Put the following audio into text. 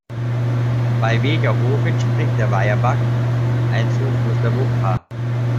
Bei Wegerhof entspringt der Weierbach, ein Zufluss der Wupper.